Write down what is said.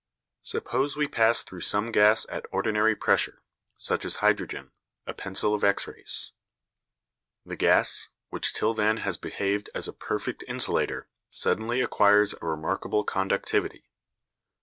Suppose we pass through some gas at ordinary pressure, such as hydrogen, a pencil of X rays. The gas, which till then has behaved as a perfect insulator, suddenly acquires a remarkable conductivity.